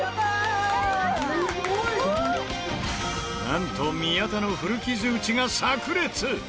なんと宮田の古傷打ちが炸裂！